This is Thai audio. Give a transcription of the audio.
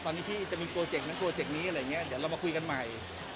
ตอนนี้พี่จะมีโปรเจกต์นั้นโปรเจกต์นี้อะไรอย่างนี้เดี๋ยวเรามาคุยกันใหม่